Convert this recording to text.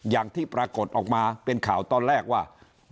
อย่างที่ปรากฏออกมาเป็นข่าวตอนแรกว่า